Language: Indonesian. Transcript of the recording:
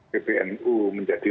ketika nu menjadi